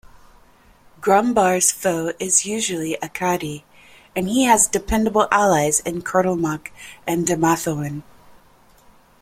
Grumbar's foe is usually Akadi, and he has dependable allies in Kurtulmak and Dumathoin.